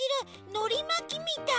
のりまきみたい！